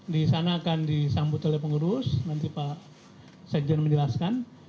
di sana akan disambut oleh pengurus nanti pak sekjen menjelaskan